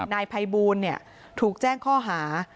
นายไพบูลเนี่ยถูกแจ้งข้อหา